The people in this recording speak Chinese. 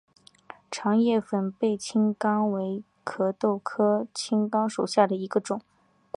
长叶粉背青冈为壳斗科青冈属下的一个种。